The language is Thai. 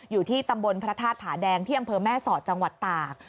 อยู่ที่ตำบลพระธาตุผาแดงที่อำเภอแม่สอดจังหวัดตาก